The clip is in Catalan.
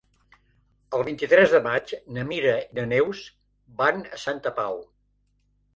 El vint-i-tres de maig na Mira i na Neus van a Santa Pau.